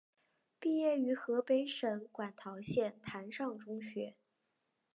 毕业于河北省馆陶县滩上中学。